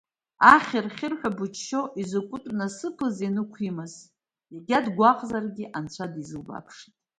Ахьыр-хьырҳәа быччо, изакә насыԥыз Енықә имаз, егьа дгәаҟзаргьы анцәа дизылбааԥшит…